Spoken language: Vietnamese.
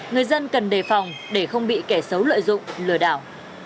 người dân cần đề phòng để không bị kẻ xấu lợi dụng lừa đảo